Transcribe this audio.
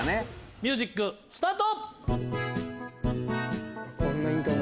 ミュージックスタート！